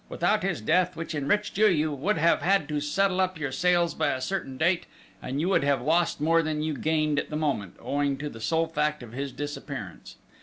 Without his death, which enriched you, you would have had to settle up your sales by a certain date, and you would have lost more than you gained at the moment, owing to the sole fact of his disappearance!...